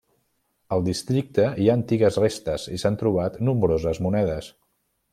Al districte hi ha antigues restes i s'han trobat nombroses monedes.